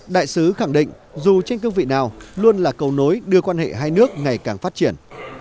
đại sứ khẳng định dù trên cương vị nào luôn là cầu nối đưa quan hệ hai nước ngày càng phát triển